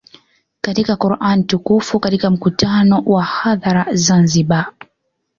katika Quran Tukufu Katika mkutano wa hadhara Zanzibar